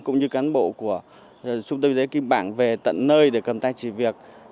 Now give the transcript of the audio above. cũng như cán bộ của trung tâm y tế kim bảng về tận nơi để cầm tay chỉ việc